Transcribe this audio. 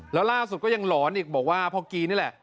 แล้วล่าสุดก็ยังหลอนอีกบอกว่าพ่อกีนี่แหละ